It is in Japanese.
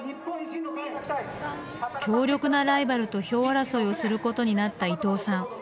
強力なライバルと票争いをすることになった伊藤さん。